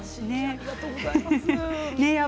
ありがとうございます。